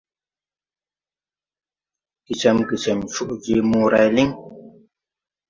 Gecɛmgecɛm coʼ je moray liŋ.